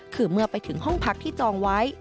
คือเมื่อไปถึงห้องพักที่จองไว้